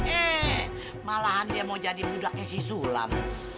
eh malahan dia mau jadi budaknya si sulam